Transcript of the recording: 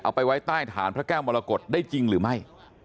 ไปไว้ใต้ฐานพระแก้วมรกฏได้จริงหรือไม่